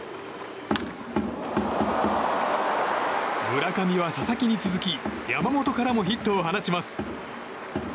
村上は佐々木に続き山本からもヒットを放ちます。